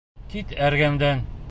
Кит эргәмдән!